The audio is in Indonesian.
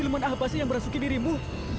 hah apa itu